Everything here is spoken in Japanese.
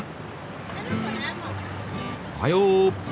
おはよう！